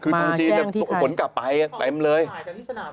มีคือทุกที่จะตกกนกลับไปแป๊บเลยบอกมาแจ้งที่ใคร